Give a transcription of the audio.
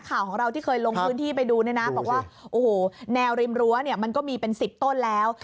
ข่าวของเราที่เคยลงพื้นที่ไปดูเนี่ยนะบอกว่าโอ้โหแนวริมรั้วเนี่ยมันก็มีเป็น๑๐ต้นแล้ว